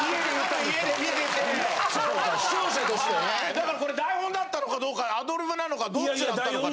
だからこれ台本だったのかどうかアドリブなのかどっちだったのかなと。